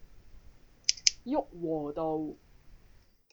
旭龢道